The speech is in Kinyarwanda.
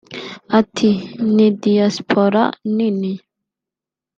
Ati "Ni Diaspora nini